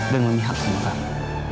dan memihak sama kamu